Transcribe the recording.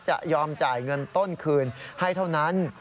จะยอมจ่ายเงินต้นคืนให้เท่านั้น